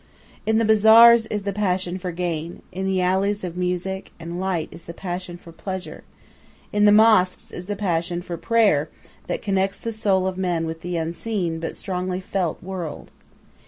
In the bazaars is the passion for gain, in the alleys of music and light is the passion for pleasure, in the mosques is the passion for prayer that connects the souls of men with the unseen but strongly felt world.